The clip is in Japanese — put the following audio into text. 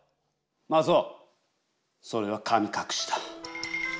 マツオそれは神隠しだ。